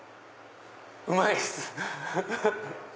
うまいっす！